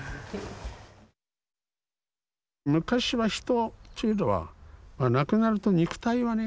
昔は人というのは亡くなると肉体はね